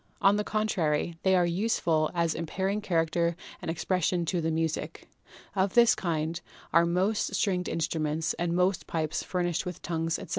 On the contrary, they are useful as imparting character and expression to the music. Of this kind are most stringed instruments and most pipes furnished with tongues, etc.